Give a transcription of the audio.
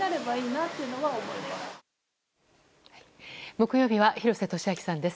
木曜日は廣瀬俊朗さんです。